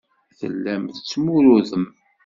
Tellam tettmurudem.